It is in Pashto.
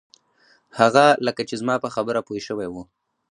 هغه لکه چې زما په خبره پوی شوی و.